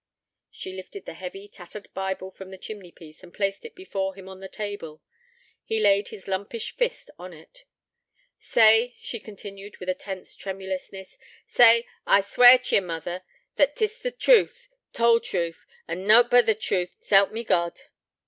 She lifted the heavy, tattered Bible from the chimney piece, and placed it before him on the table. He laid his lumpish fist on it. 'Say,' she continued with a tense tremulousness, 'say, I swear t' ye, mother, that 't is t' truth, t' whole truth, and noat but t' truth, s'help me God.'